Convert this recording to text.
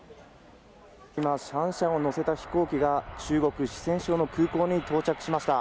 今、シャンシャンを乗せた飛行機が中国・四川省の空港に到着しました。